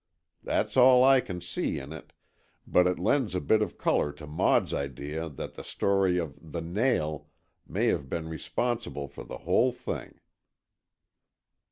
That's all I can see in it, but it lends a bit of colour to Maud's idea that the story of The Nail may have been responsible for the whole thing."